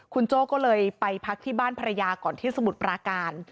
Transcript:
คุณโจ้ก็เลยไปพักที่บ้านภรรยาก่อนที่สมุทรปราการ